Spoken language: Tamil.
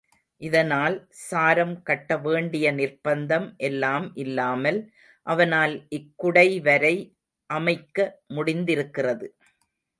இதனால் சாரம் கட்ட வேண்டிய நிர்ப்பந்தம் எல்லாம் இல்லாமல் அவனால் இக்குடைவரை அமைக்க முடிந்திருக்கிறது.